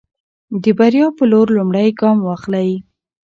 د بریا په لور لومړی ګام واخلئ.